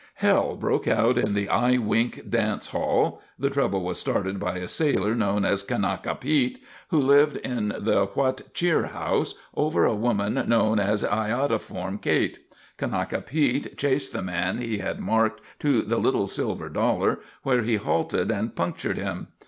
Hell broke out in the Eye Wink Dance Hall. The trouble was started by a sailor known as Kanaka Pete, who lived in the What Cheer House, over a woman known as Iodoform Kate. Kanaka Pete chased the man he had marked to the Little Silver Dollar, where he halted and punctured him.